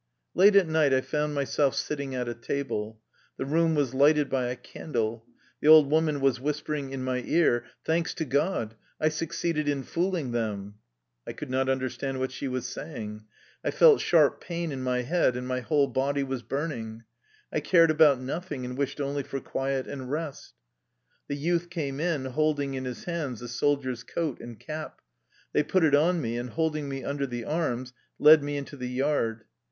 Late at night I found myself sitting at a table. The room was lighted by a candle. The old woman was whispering in my ear: " Thanks to God ! I succeeded in fooling them." I could not understand what she was saying. I felt sharp pain in my head, and my whole body was burning. I cared about nothing, and wished only for quiet and rest. The youth came in, holding in his hands a soldier's coat and cap. They put it on me, and holding me under the arms led me into the yard.